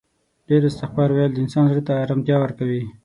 ډیر استغفار ویل د انسان زړه ته آرامتیا ورکوي